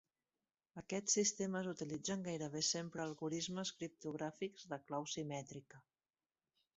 Aquests sistemes utilitzen gairebé sempre algorismes criptogràfics de clau simètrica.